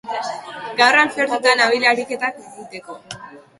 Gaur alfertuta nabil ariketak egiteko.